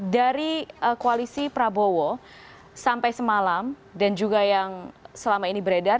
dari koalisi prabowo sampai semalam dan juga yang selama ini beredar